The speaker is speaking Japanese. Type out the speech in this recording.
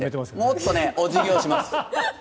もっとお辞儀をします。